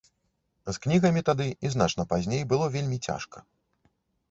З кнігамі тады і значна пазней было вельмі цяжка.